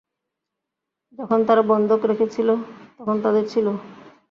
যখন তারা বন্ধক রেখে ছিলো, তখন তাদের ছিলো।